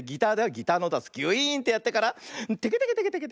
ギターのおとはギュイーンってやってからテケテケテケテケ。